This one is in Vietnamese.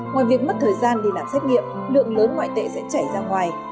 ngoài việc mất thời gian đi làm xét nghiệm lượng lớn ngoại tệ sẽ chảy ra ngoài